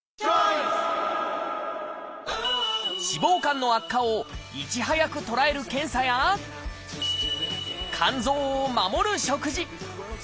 脂肪肝の悪化をいち早く捉える検査や肝臓を守る食事。